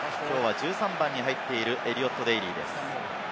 きょうは１３番に入っているエリオット・デイリーです。